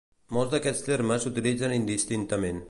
Molts d'aquests termes s'utilitzen indistintament.